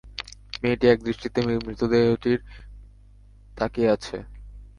মেয়েটি একদৃষ্টিতে মৃতদেহটির তাকিয়ে আছে।